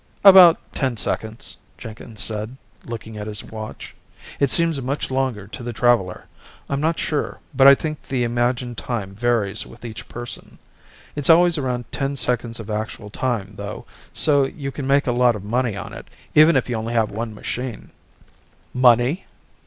"About ten seconds," Jenkins said, looking at his watch. "It seems much longer to the traveler. I'm not sure, but I think the imagined time varies with each person. It's always around ten seconds of actual time, though, so you can make a lot of money on it, even if you only have one machine." "Money?"